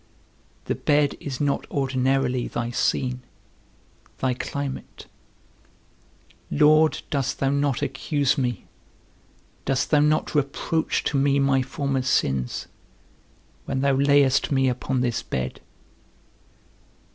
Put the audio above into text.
The bed is not ordinarily thy scene, thy climate: Lord, dost thou not accuse me, dost thou not reproach to me my former sins, when thou layest me upon this bed?